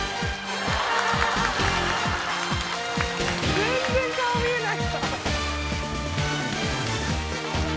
全然顔見えない。